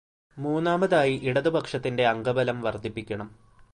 മൂന്നാമതായി ഇടതുപക്ഷത്തിന്റെ അംഗബലം വർധിപ്പിക്കണം.